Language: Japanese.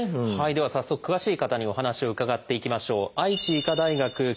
では早速詳しい方にお話を伺っていきましょう。